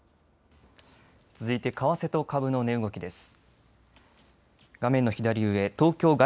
続いて為替と株の値動きです。